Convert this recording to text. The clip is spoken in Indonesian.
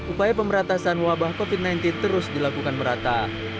upaya pemberantasan wabah covid sembilan belas terus dilakukan merata